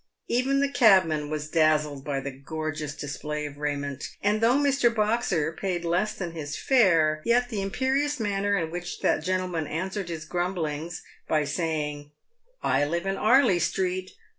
Even the cabman was dazzled by the gorgeous display of raiment ; and though Mr. Boxer paid less than his fare, yet the imperious manner in which that gentleman answered his grumblings, by saying, " I live in 'Arley street, No.